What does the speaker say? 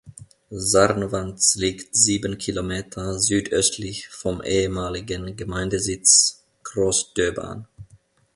Czarnowanz liegt sieben Kilometer südöstlich vom ehemaligen Gemeindesitz Groß Döbern.